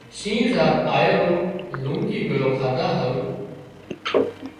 شينهن زار آيو رو لونڪي ڀيۯو کاڌا هارو